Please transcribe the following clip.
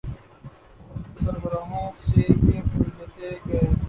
فوج کے سربراہوں سے یہ الجھتے گئے۔